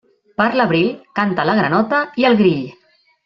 Per l'abril, canta la granota i el grill.